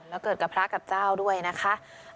แล้วเกิดกับพระกับเจ้าด้วยนะคะ